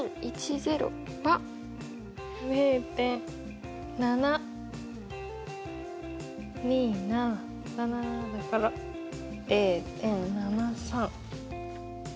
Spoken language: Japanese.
０．７２７だから０．７３。